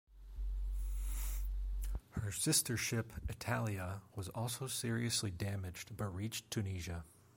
Her sister ship, "Italia", was also seriously damaged but reached Tunisia.